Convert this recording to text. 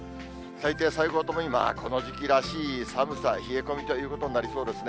最低、最高ともに、まあ、この時期らしい寒さ、冷え込みということになりそうですね。